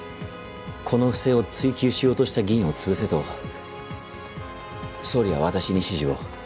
この不正を追及しようとした議員を潰せと総理は私に指示を。